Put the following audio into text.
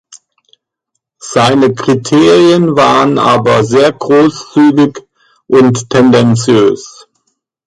Seine Kriterien waren aber sehr großzügig und tendenziös.